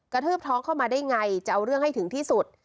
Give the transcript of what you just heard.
ทืบท้องเข้ามาได้ไงจะเอาเรื่องให้ถึงที่สุด